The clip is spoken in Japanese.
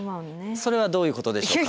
それはどういうことでしょうか？